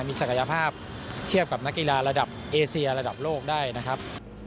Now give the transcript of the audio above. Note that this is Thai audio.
มีศักยภาพเทียบกับนักกีฬาระดับเอเซียระดับโลกได้นะครับ